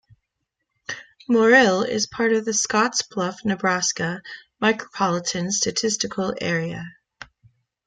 Morrill is part of the Scottsbluff, Nebraska Micropolitan Statistical Area.